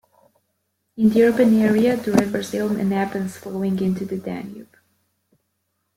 In the urban area the rivers Ilm and Abens flowing into the Danube.